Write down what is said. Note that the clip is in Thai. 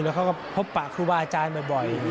แล้วเขาก็พบปะครูบาอาจารย์บ่อย